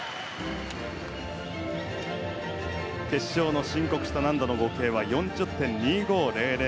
決勝の申告した難度の合計は４０．２５００。